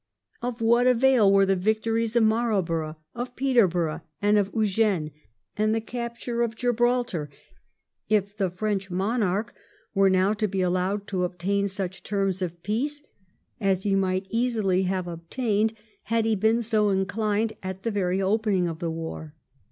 Of what avail were the victories of Marlborough, of Peterborough, and of Eugene, and the capture of 1711 13 PEACE AT ANY PKIOE. 85 I Gibraltar, if the French monarch were now to be allowed to obtain such terms of peace as he might easily have obtained had he been so inclined at the very opening of the war